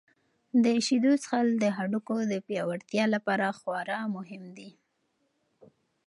د شیدو څښل د هډوکو د پیاوړتیا لپاره خورا مهم دي.